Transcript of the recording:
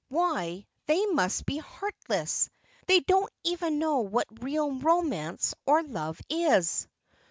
Why, they must be heartless. They don't even know what real romance or love is!"